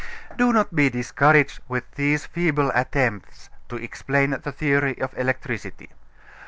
Do not be discouraged with these feeble attempts to explain the theory of electricity.